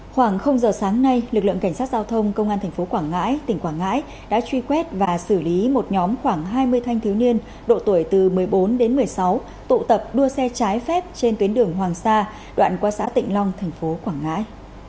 khoảng giờ sáng nay lực lượng cảnh sát giao thông công an tp quảng ngãi tỉnh quảng ngãi đã truy quét và xử lý một nhóm khoảng hai mươi thanh thiếu niên độ tuổi từ một mươi bốn đến một mươi sáu tụ tập đua xe trái phép trên tuyến đường hoàng sa đoạn qua xã tịnh long thành phố quảng ngãi